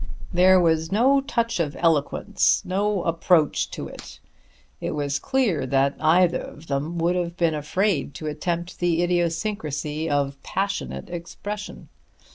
There was no touch of eloquence, no approach to it. It was clear that either of them would have been afraid to attempt the idiosyncrasy of passionate expression.